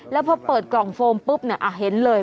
แล้วพอเปิดกล่องโฟมปุ๊บเนี่ยอ่ะเห็นเลย